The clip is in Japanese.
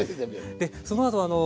でそのあとまあ